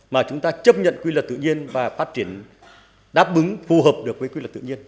mà chúng ta chấp nhận quy luật tự nhiên và phát triển đáp bứng phù hợp được với quy luật tự nhiên